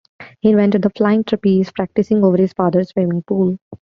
He invented the flying trapeze, practising over his father's swimming pool.